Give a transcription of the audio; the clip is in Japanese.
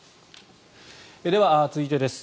では、続いてです。